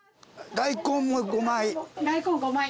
大根５枚。